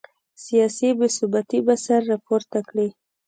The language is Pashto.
سیاسي بې ثباتي به سر راپورته کړي.